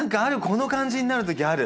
この感じになるときある！